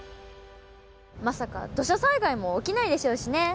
まさか土砂災害も起きないでしょうしね。